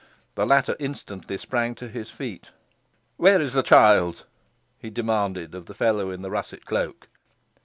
The latter instantly sprang to his feet. "Where is the child?" he demanded of the fellow in the russet cloak.